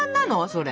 それ。